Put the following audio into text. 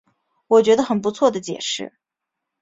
我觉得很不错的解释